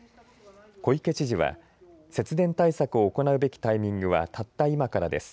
小池知事は節電対策を行うべきタイミングはたった今からです。